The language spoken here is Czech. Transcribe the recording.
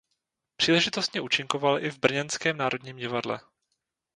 Příležitostně účinkoval i v brněnském Národním divadle.